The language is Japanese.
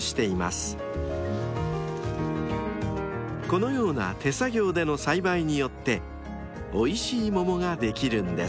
［このような手作業での栽培によっておいしい桃ができるんです］